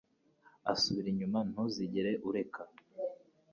asubira inyuma ntuzigere ureka